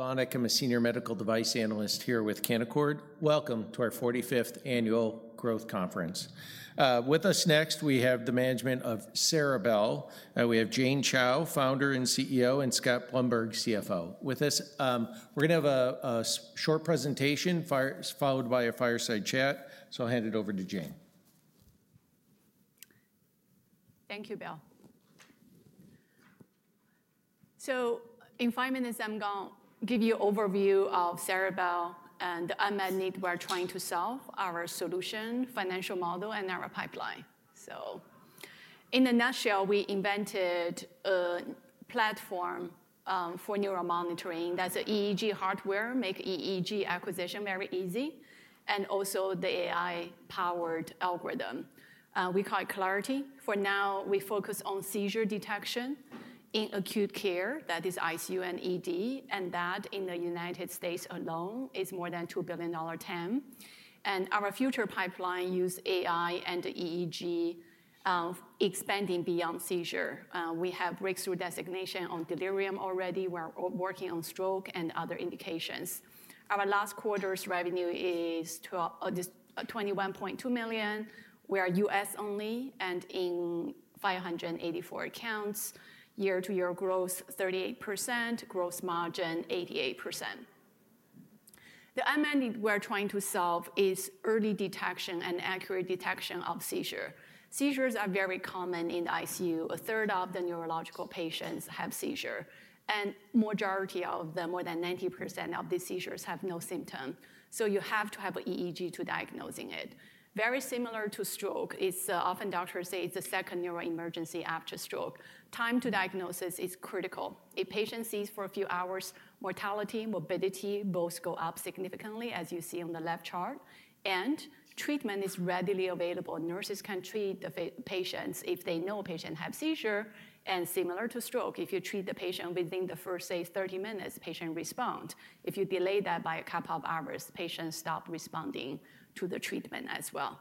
Bill Plovanic, Senior Medical Device Analyst here with Canaccord. Welcome to our 45th Annual Growth Conference. With us next, we have the management of Ceribell. We have Jane Chao, Founder and CEO, and Scott Blumberg, CFO. With us, we're going to have a short presentation followed by a fireside chat. I'll hand it over to Jane. Thank you, Bill. In five minutes, I'm going to give you an overview of Ceribell and the unmet needs we're trying to solve: our solution, financial model, and our pipeline. In a nutshell, we invented a platform for neuromonitoring that's EEG hardware, makes EEG acquisition very easy, and also the AI-powered algorithm. We call it Clarity. For now, we focus on seizure detection in acute care, that is ICU and ED, and that in the United States alone is more than a $2 billion TAM. Our future pipeline uses AI and EEG, expanding beyond seizure. We have breakthrough designations on delirium already. We're working on stroke and other indications. Our last quarter's revenue is $21.2 million. We are U.S. only and in 584 accounts. Year-to-year growth is 38%. Gross margin is 88%. The unmet need we're trying to solve is early detection and accurate detection of seizure. Seizures are very common in the ICU. A third of the neurological patients have seizures, and the majority of them, more than 90% of these seizures, have no symptoms. You have to have an EEG to diagnose it. Very similar to stroke, often doctors say it's the second neuro emergency after stroke. Time to diagnosis is critical. If a patient seizes for a few hours, mortality and morbidity both go up significantly, as you see on the left chart. Treatment is readily available. Nurses can treat the patients if they know a patient has a seizure. Similar to stroke, if you treat the patient within the first, say, 30 minutes, the patient responds. If you delay that by a couple of hours, the patient stops responding to the treatment as well.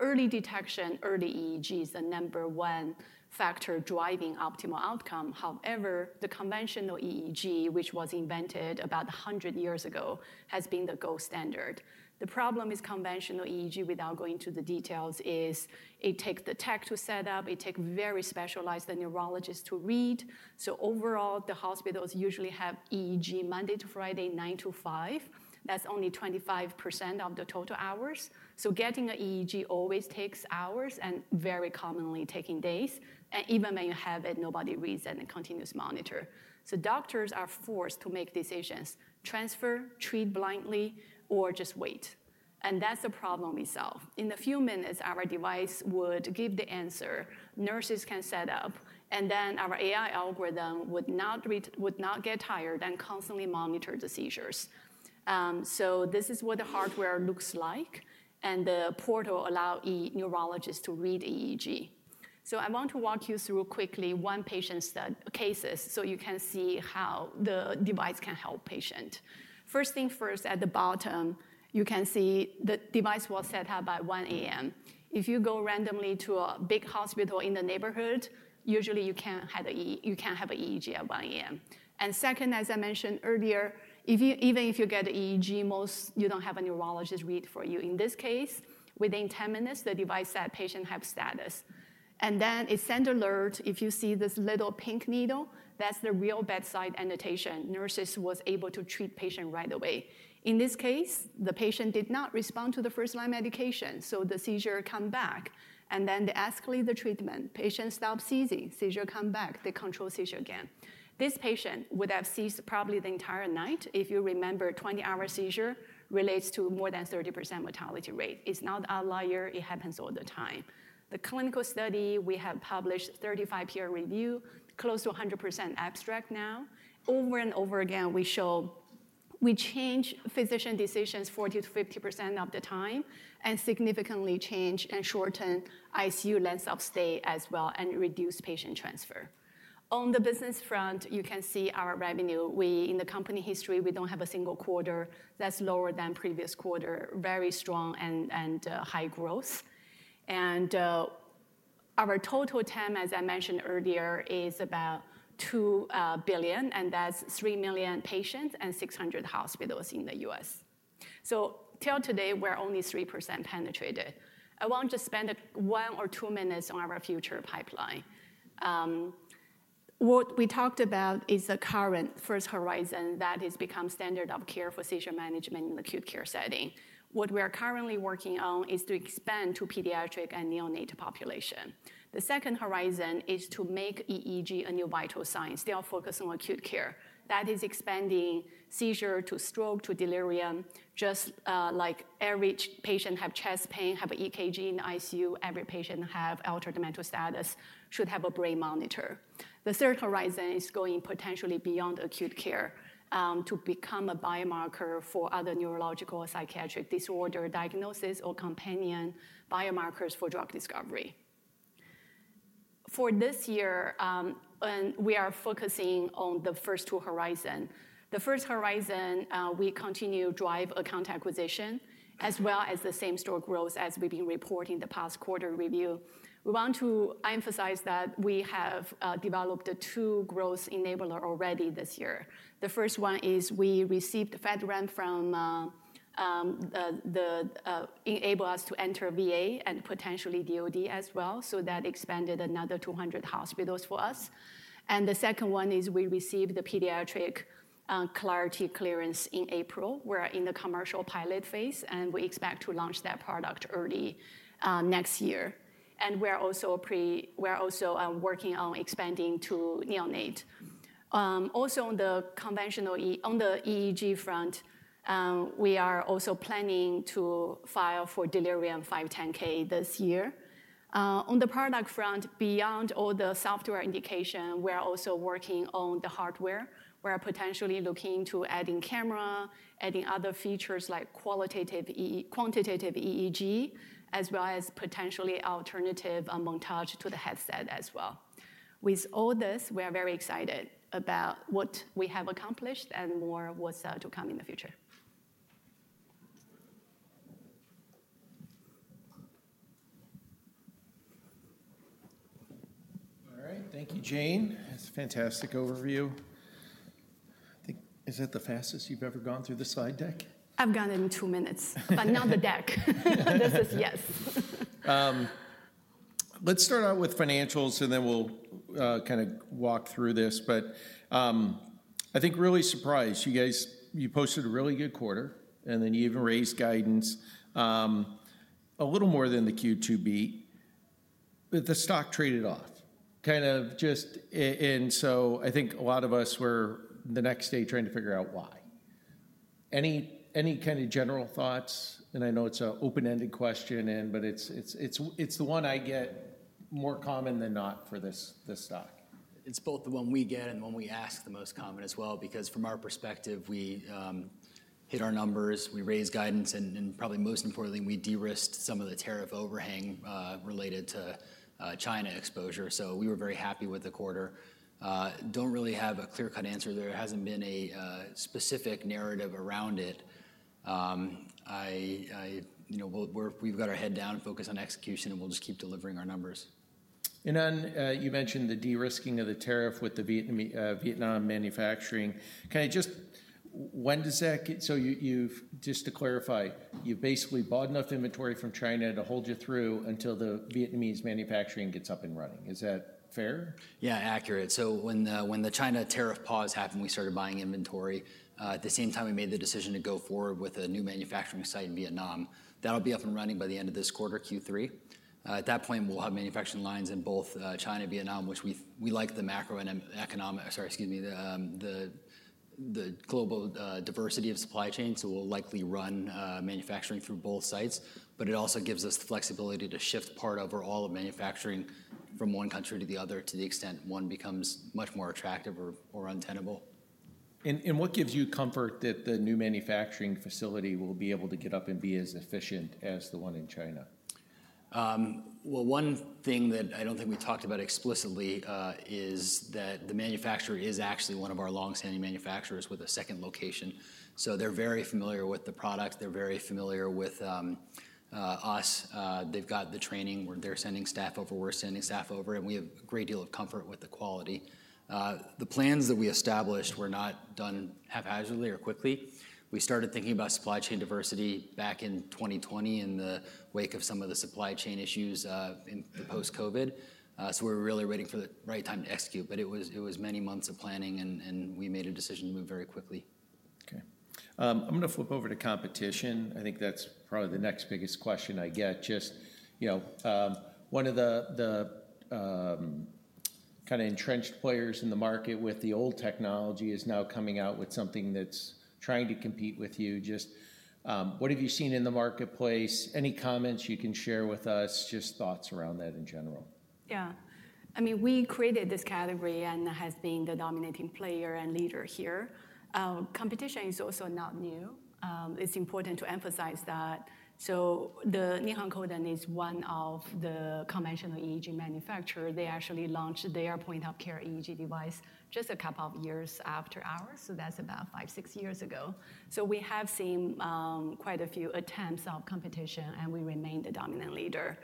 Early detection, early EEG is the number one factor driving optimal outcome. However, the conventional EEG, which was invented about 100 years ago, has been the gold standard. The problem with conventional EEG, without going into the details, is it takes the tech to set up. It takes very specialized neurologists to read. Overall, the hospitals usually have EEG Monday to Friday, 9:00 A.M.-5:00 P.M. That's only 25% of the total hours. Getting an EEG always takes hours and very commonly takes days. Even when you have it, nobody reads it on a continuous monitor. Doctors are forced to make decisions: transfer, treat blindly, or just wait. That's the problem we solve. In a few minutes, our device would give the answer. Nurses can set up. Our AI algorithm would not get tired and constantly monitor the seizures. This is what the hardware looks like. The portal allows neurologists to read the EEG. I want to walk you through quickly one patient's case so you can see how the device can help patients. First things first, at the bottom, you can see the device was set up at 1:00 A.M. If you go randomly to a big hospital in the neighborhood, usually you can't have an EEG at 1:00 A.M. As I mentioned earlier, even if you get an EEG, you don't have a neurologist read for you. In this case, within 10 minutes, the device said the patient had status. It sends an alert. If you see this little pink needle, that's the real bedside annotation. Nurses were able to treat the patient right away. In this case, the patient did not respond to the first-line medication. The seizure came back. They escalated the treatment. The patient stopped seizing. The seizure came back. They controlled the seizure again. This patient would have seized probably the entire night. If you remember, a 20-hour seizure relates to more than a 30% mortality rate. It's not an outlier. It happens all the time. The clinical study we have published 35 peer reviews, close to 100% abstract now. Over and over again, we change physician decisions 40%-50% of the time and significantly change and shorten ICU lengths of stay as well and reduce patient transfer. On the business front, you can see our revenue. In the company history, we don't have a single quarter that's lower than the previous quarter. Very strong and high growth. Our total TAM, as I mentioned earlier, is about $2 billion. That's 3 million patients and 600 hospitals in the U.S. Till today, we're only 3% penetrated. I want to spend one or two minutes on our future pipeline. What we talked about is the current first horizon that has become standard of care for seizure management in the acute care setting. We are currently working on expanding to the pediatric and neonate population. The second horizon is to make EEG a new vital sign, still focusing on acute care. That is expanding seizure to stroke to delirium. Just like every patient who has chest pain has an EKG in the ICU, every patient who has altered mental status should have a brain monitor. The third horizon is going potentially beyond acute care to become a biomarker for other neurological or psychiatric disorder diagnoses or companion biomarkers for drug discovery. For this year, we are focusing on the first two horizons. The first horizon, we continue to drive account acquisition, as well as the same store growth as we've been reporting in the past quarter review. We want to emphasize that we have developed two growth enablers already this year. The first one is we received a FedRAMP, enabling us to enter VA and potentially DOD as well. That expanded another 200 hospitals for us. The second one is we received the pediatric Clarity clearance in April. We are in the commercial pilot phase, and we expect to launch that product early next year. We're also working on expanding to neonate. Also, on the EEG front, we are planning to file for delirium 510(k) this year. On the product front, beyond all the software indications, we're also working on the hardware. We're potentially looking into adding camera, adding other features like quantitative EEG, as well as potentially alternative montage to the headset as well. With all this, we are very excited about what we have accomplished and more what's to come in the future. All right. Thank you, Jane. That's a fantastic overview. Is that the fastest you've ever gone through the slide deck? I've done it in two minutes, but not the deck. This is yes. Let's start out with financials, and then we'll kind of walk through this. I think really surprised, you posted a really good quarter, and then you even raised guidance a little more than the Q2 beat. The stock traded off. I think a lot of us were the next day trying to figure out why. Any kind of general thoughts? I know it's an open-ended question, but it's the one I get more common than not for this stock. It's both the one we get and the one we ask the most common as well because from our perspective, we hit our numbers, we raised guidance, and probably most importantly, we de-risked some of the tariff overhang related to China exposure. We were very happy with the quarter. Don't really have a clear-cut answer there. There hasn't been a specific narrative around it. We've got our head down, focused on execution, and we'll just keep delivering our numbers. You mentioned the de-risking of the tariff with the Vietnam manufacturing. Just to clarify, you basically bought enough inventory from China to hold you through until the Vietnamese manufacturing gets up and running. Is that fair? Yeah, accurate. When the China tariff pause happened, we started buying inventory. At the same time, we made the decision to go forward with a new manufacturing site in Vietnam. That'll be up and running by the end of this quarter, Q3. At that point, we'll have manufacturing lines in both China and Vietnam, which we like, the global diversity of supply chain. We'll likely run manufacturing through both sites. It also gives us the flexibility to shift part of or all of manufacturing from one country to the other to the extent one becomes much more attractive or untenable. What gives you comfort that the new manufacturing facility will be able to get up and be as efficient as the one in China? One thing that I don't think we talked about explicitly is that the manufacturer is actually one of our longstanding manufacturers with a second location. They're very familiar with the product. They're very familiar with us. They've got the training. They're sending staff over. We're sending staff over. We have a great deal of comfort with the quality. The plans that we established were not done haphazardly or quickly. We started thinking about supply chain diversity back in 2020 in the wake of some of the supply chain issues post-COVID. We were really waiting for the right time to execute. It was many months of planning, and we made a decision to move very quickly. OK. I'm going to flip over to competition. I think that's probably the next biggest question I get. One of the kind of entrenched players in the market with the old technology is now coming out with something that's trying to compete with you. What have you seen in the marketplace? Any comments you can share with us? Thoughts around that in general. Yeah. I mean, we created this category and have been the dominating player and leader here. Competition is also not new. It's important to emphasize that. Nihon Kohden is one of the conventional EEG manufacturers. They actually launched their point-of-care EEG device just a couple of years after ours, so that's about five, six years ago. We have seen quite a few attempts of competition, and we remain the dominant leader.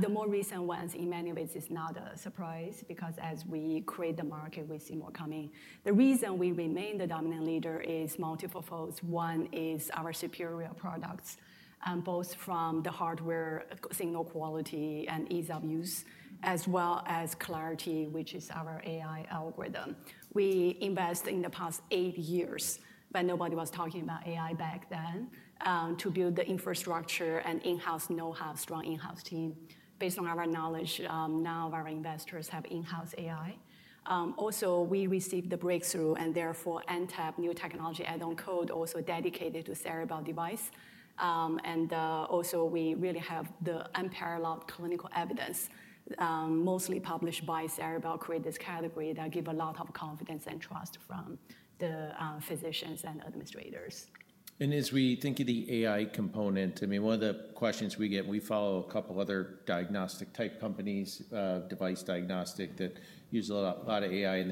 The more recent ones, in many ways, are not a surprise because as we create the market, we see more coming. The reason we remain the dominant leader is multiple folds. One is our superior products, both from the hardware signal quality and ease of use, as well as Clarity, which is our AI algorithm. We invested in the past eight years, but nobody was talking about AI back then, to build the infrastructure and in-house know-how, strong in-house team. Based on our knowledge, now our investors have in-house AI. Also, we received the breakthrough and therefore NTAP new technology add-on code also dedicated to Ceribell device. We really have the unparalleled clinical evidence, mostly published by Ceribell. We created this category that gives a lot of confidence and trust from the physicians and administrators. As we think of the AI component, one of the questions we get, we follow a couple of other diagnostic-type companies, device diagnostic, that use a lot of AI.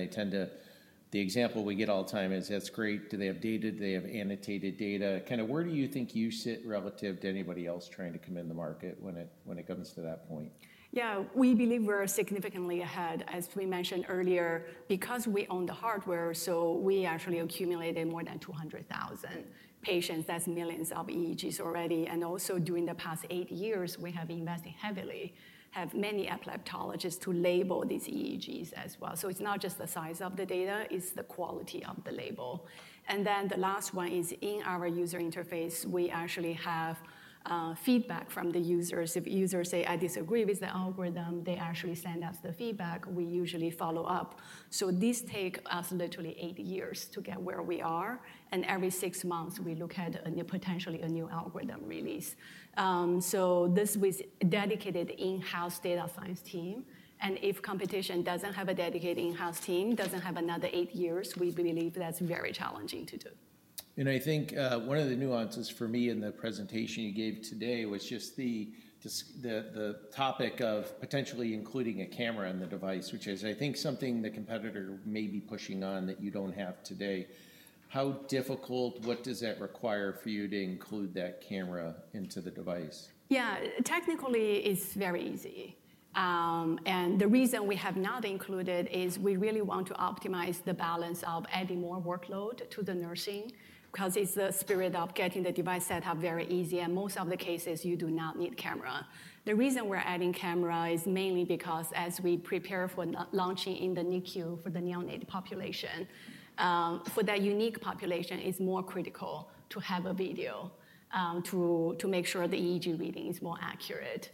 The example we get all the time is, that's great. Do they have data? Do they have annotated data? Where do you think you sit relative to anybody else trying to come in the market when it comes to that point? Yeah. We believe we're significantly ahead. As we mentioned earlier, because we own the hardware, we actually accumulated more than 200,000 patients. That's millions of EEGs already. During the past eight years, we have invested heavily, have many epileptologists to label these EEGs as well. It's not just the size of the data. It's the quality of the label. The last one is in our user interface. We actually have feedback from the users. If users say, I disagree with the algorithm, they actually send us the feedback. We usually follow up. This takes us literally eight years to get where we are. Every six months, we look at potentially a new algorithm release. This was a dedicated in-house data science team. If competition doesn't have a dedicated in-house team, doesn't have another eight years, we believe that's very challenging to do. I think one of the nuances for me in the presentation you gave today was just the topic of potentially including a camera in the device, which is, I think, something the competitor may be pushing on that you don't have today. How difficult, what does that require for you to include that camera into the device? Yeah. Technically, it's very easy. The reason we have not included is we really want to optimize the balance of adding more workload to the nursing because it's the spirit of getting the device set up very easy. In most of the cases, you do not need a camera. The reason we're adding a camera is mainly because as we prepare for launching in the NICU for the neonate population, for that unique population, it's more critical to have a video to make sure the EEG reading is more accurate.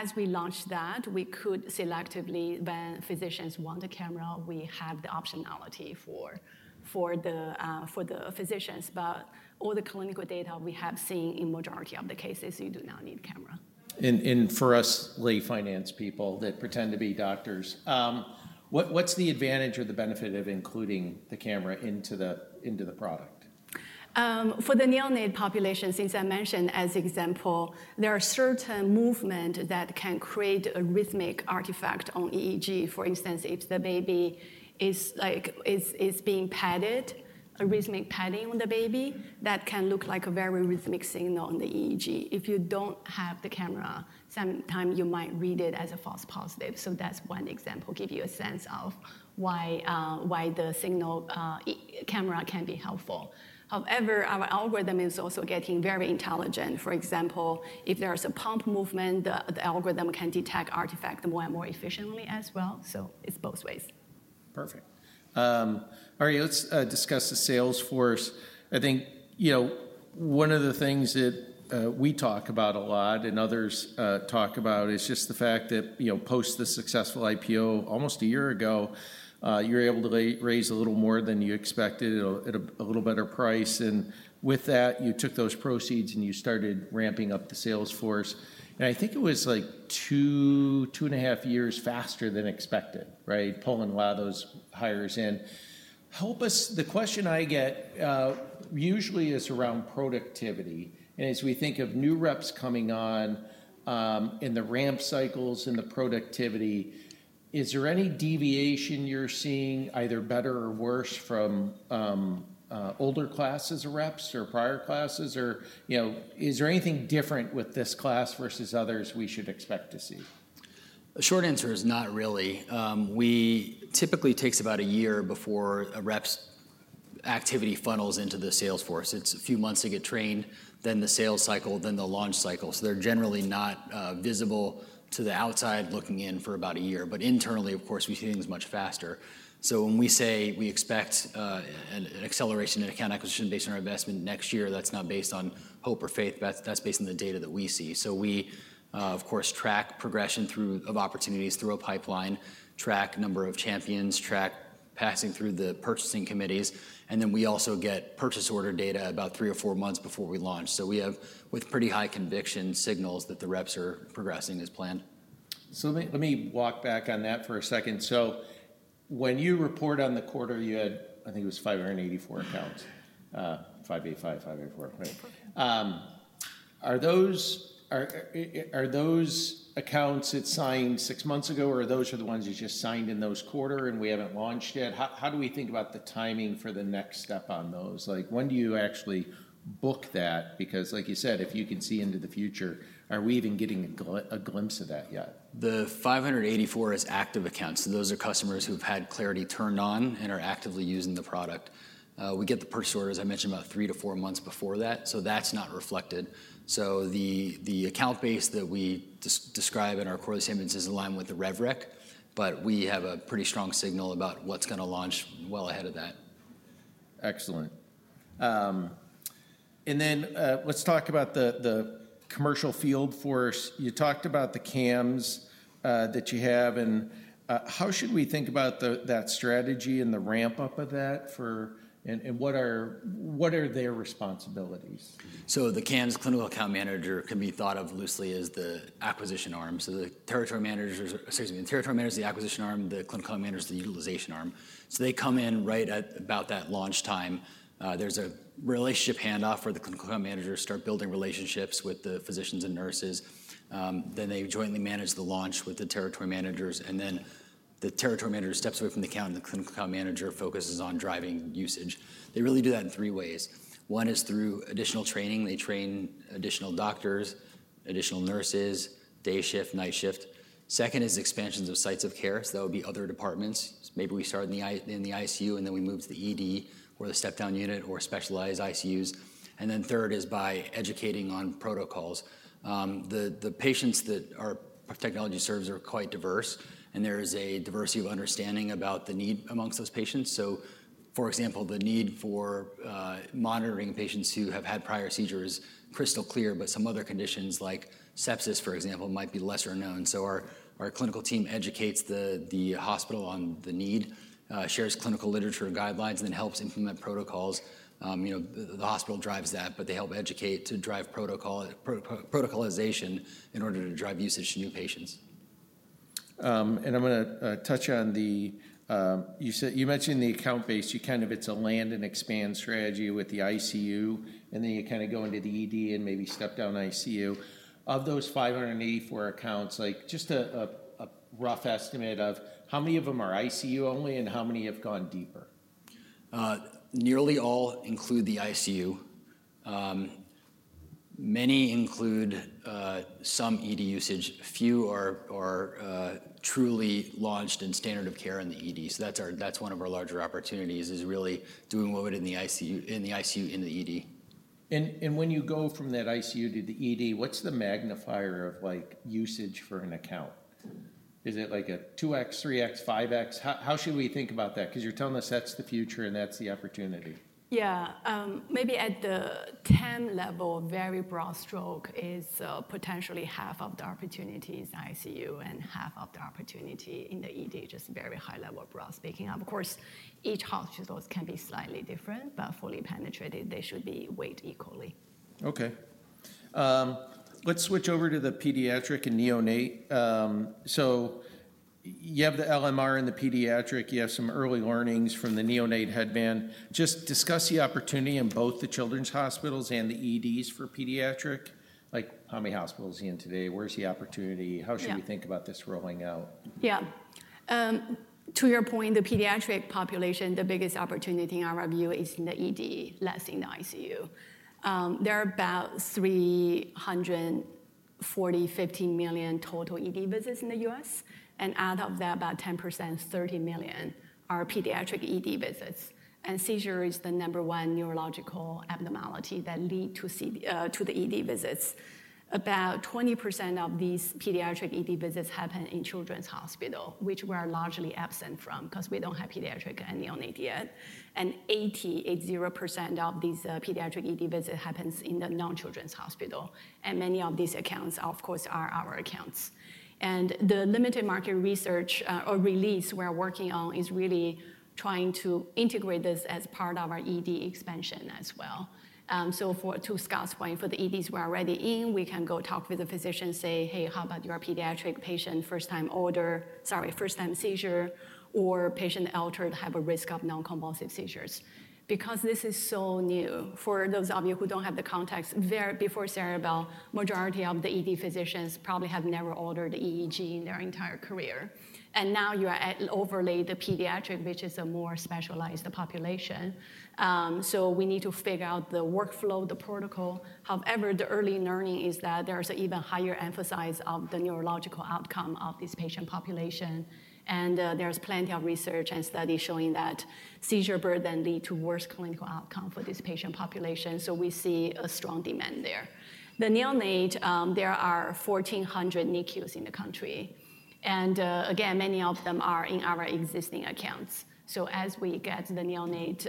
As we launch that, we could selectively, when physicians want a camera, we have the optionality for the physicians. All the clinical data we have seen in the majority of the cases, you do not need a camera. For us, lay finance people that pretend to be doctors, what's the advantage or the benefit of including the camera into the product? For the neonate population, since I mentioned as an example, there are certain movements that can create a rhythmic artifact on EEG. For instance, if the baby is being patted, a rhythmic patting on the baby can look like a very rhythmic signal on the EEG. If you don't have the camera, sometimes you might read it as a false positive. That's one example to give you a sense of why the camera can be helpful. However, our algorithm is also getting very intelligent. For example, if there is a pump movement, the algorithm can detect artifacts more and more efficiently as well. It's both ways. Perfect. All right. Let's discuss the sales force. I think one of the things that we talk about a lot and others talk about is just the fact that post the successful IPO almost a year ago, you were able to raise a little more than you expected at a little better price. With that, you took those proceeds and you started ramping up the sales force. I think it was like two, two and a half years faster than expected, right, pulling a lot of those hires in. The question I get usually is around productivity. As we think of new reps coming on and the ramp cycles and the productivity, is there any deviation you're seeing, either better or worse, from older classes of reps or prior classes? Is there anything different with this class versus others we should expect to see? Short answer is not really. It typically takes about a year before a rep's activity funnels into the sales force. It's a few months to get trained, then the sales cycle, then the launch cycle. They're generally not visible to the outside looking in for about a year. Internally, of course, we see things much faster. When we say we expect an acceleration in account acquisition based on our investment next year, that's not based on hope or faith. That's based on the data that we see. We, of course, track progression of opportunities through a pipeline, track the number of champions, track passing through the purchasing committees. We also get purchase order data about three or four months before we launch. We have, with pretty high conviction, signals that the reps are progressing as planned. Let me walk back on that for a second. When you report on the quarter, you had, I think it was 584 accounts, 585, 584. Are those accounts that signed six months ago, or are those the ones you just signed in those quarters and we haven't launched yet? How do we think about the timing for the next step on those? When do you actually book that? Because, like you said, if you could see into the future, are we even getting a glimpse of that yet? The 584 is active accounts. Those are customers who have had Clarity turned on and are actively using the product. We get the purchase orders, as I mentioned, about three to four months before that. That is not reflected. The account base that we describe in our quarterly statements is in line with the RevRec. We have a pretty strong signal about what's going to launch well ahead of that. Excellent. Let's talk about the commercial field force. You talked about the CAMs that you have. How should we think about that strategy and the ramp-up of that? What are their responsibilities? The CAMs, Clinical Account Manager, can be thought of loosely as the acquisition arm. The Territory Manager is the acquisition arm. The Clinical Account Manager is the utilization arm. They come in right at about that launch time. There's a relationship handoff where the Clinical Account Managers start building relationships with the physicians and nurses. They jointly manage the launch with the Territory Managers. The Territory Manager steps away from the account, and the Clinical Account Manager focuses on driving usage. They really do that in three ways. One is through additional training. They train additional doctors, additional nurses, day shift, night shift. Second is expansions of sites of care. That would be other departments. Maybe we start in the ICU, and then we move to the ED or the step-down unit or specialized ICUs. Third is by educating on protocols. The patients that our technology serves are quite diverse, and there is a diversity of understanding about the need amongst those patients. For example, the need for monitoring patients who have had prior seizures is crystal clear. Some other conditions, like sepsis, for example, might be lesser known. Our clinical team educates the hospital on the need, shares clinical literature and guidelines, and helps implement protocols. The hospital drives that, but they help educate to drive protocolization in order to drive usage to new patients. I'm going to touch on the, you mentioned the account base. You kind of, it's a land and expand strategy with the ICU. You kind of go into the ED and maybe step-down ICU. Of those 584 accounts, just a rough estimate of how many of them are ICU only and how many have gone deeper? Nearly all include the ICU. Many include some ED usage. Few are truly launched in standard of care in the ED. That is one of our larger opportunities, really doing what we did in the ICU in the ED. When you go from that ICU to the ED, what's the magnifier of usage for an account? Is it like a 2x, 3x, 5x? How should we think about that? You're telling us that's the future and that's the opportunity. Yeah. Maybe at the TAM level, very broad stroke is potentially half of the opportunity in ICU and half of the opportunity in the ED, just very high level, broad speaking. Of course, each hospital can be slightly different. Fully penetrated, they should be weighed equally. OK. Let's switch over to the pediatric and neonate. You have the LMR in the pediatric. You have some early learnings from the neonate headband. Just discuss the opportunity in both the children's hospitals and the EDs for pediatric. How many hospitals are in today? Where's the opportunity? How should we think about this rolling out? Yeah. To your point, the pediatric population, the biggest opportunity in our view is in the ED, less in the ICU. There are about 340, 115 million total ED visits in the U.S. Out of that, about 10%, 30 million, are pediatric ED visits. Seizure is the number one neurological abnormality that leads to the ED visits. About 20% of these pediatric ED visits happen in children's hospitals, which we are largely absent from because we don't have pediatric and neonate yet. 80% of these pediatric ED visits happen in the non-children's hospitals. Many of these accounts, of course, are our accounts. The limited market research or release we're working on is really trying to integrate this as part of our ED expansion as well. To Scott's point, for the EDs we're already in, we can go talk with the physician, say, hey, how about your pediatric patient first-time seizure or patient altered have a risk of non-convulsive seizures? This is so new. For those of you who don't have the context, before Ceribell, the majority of the ED physicians probably have never ordered the EEG in their entire career. Now you are overlaid the pediatric, which is a more specialized population. We need to figure out the workflow, the protocol. However, the early learning is that there is an even higher emphasis on the neurological outcome of this patient population. There is plenty of research and studies showing that seizure burden leads to worse clinical outcomes for this patient population. We see a strong demand there. The neonate, there are 1,400 NICUs in the country. Many of them are in our existing accounts. As we get the neonate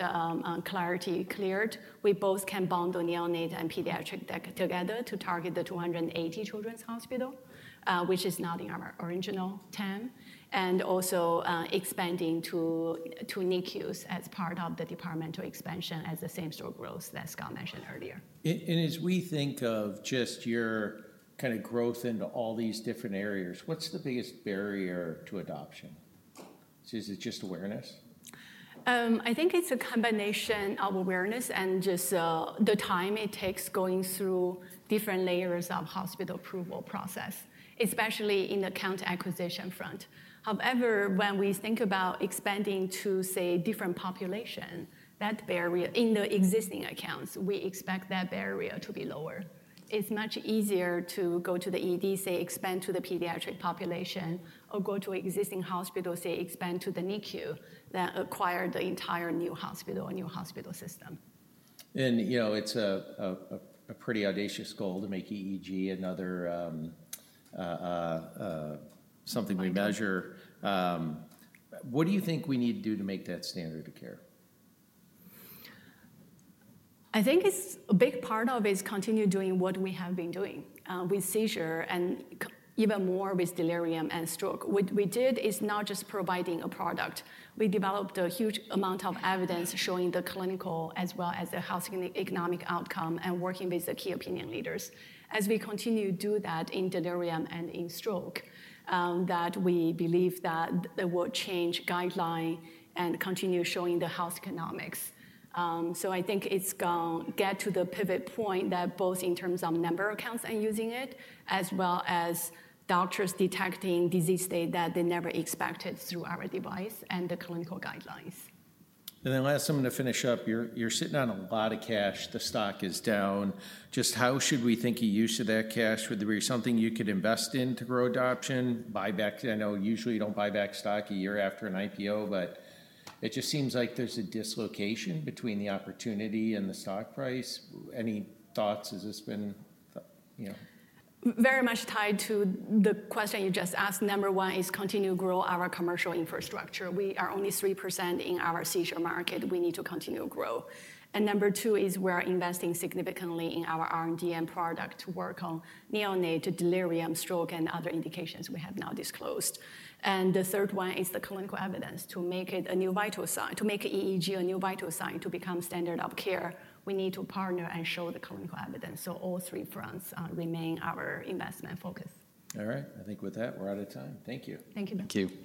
Clarity cleared, we both can bond the neonate and pediatric deck together to target the 280 children's hospitals, which is not in our original TAM, and also expanding to NICUs as part of the departmental expansion as the same store grows that Scott mentioned earlier. As we think of just your kind of growth into all these different areas, what's the biggest barrier to adoption? Is it just awareness? I think it's a combination of awareness and just the time it takes going through different layers of the hospital approval process, especially in the account acquisition front. However, when we think about expanding to, say, different populations, that barrier in the existing accounts, we expect that barrier to be lower. It's much easier to go to the ED, say, expand to the pediatric population, or go to an existing hospital, say, expand to the NICU than acquire the entire new hospital or new hospital system. It's a pretty audacious goal to make EEG another something we measure. What do you think we need to do to make that standard of care? I think a big part of it is continuing doing what we have been doing with seizure and even more with delirium and stroke. What we did is not just providing a product. We developed a huge amount of evidence showing the clinical as well as the health economic outcome and working with the key opinion leaders. As we continue to do that in delirium and in stroke, we believe that it will change guidelines and continue showing the health economics. I think it's going to get to the pivot point that both in terms of number of accounts and using it, as well as doctors detecting disease state that they never expected through our device and the clinical guidelines. Last time to finish up, you're sitting on a lot of cash. The stock is down. Just how should we think of use of that cash? Would there be something you could invest in to grow adoption? Buy back, I know usually you don't buy back stock a year after an IPO. It just seems like there's a dislocation between the opportunity and the stock price. Any thoughts? Has this been, you know? Very much tied to the question you just asked. Number one is continue to grow our commercial infrastructure. We are only 3% in our seizure market. We need to continue to grow. Number two is we are investing significantly in our R&D and product to work on neonate, delirium, stroke, and other indications we have now disclosed. The third one is the clinical evidence. To make it a new vital sign, to make EEG a new vital sign to become standard of care, we need to partner and show the clinical evidence. All three fronts remain our investment focus. All right. I think with that, we're out of time. Thank you. Thank you. Thank you.